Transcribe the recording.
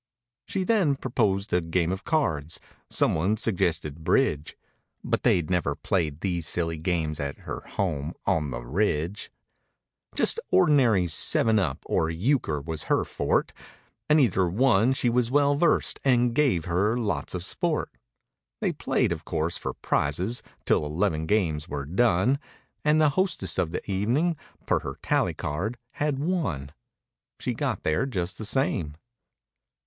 She then proposed a game of cards—some one sug¬ gested "Bridge"— (But they'd never played these silly games at her home "on the ridge") Just ordinary "seven up" or "euchre" was her forte; In either one she was well versed and gave her lots of sport. They played, of course, for prizes, 'till eleven games were done. And the hostess of the evening, per her tally card had won— She got there just the same.